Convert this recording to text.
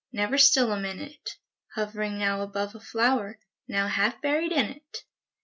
Never still a minute, Hovering now above a flower. Now half buried in it !